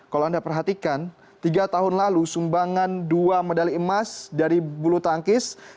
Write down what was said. kalau anda perhatikan tiga tahun lalu sumbangan dua medali emas dari bulu tangkis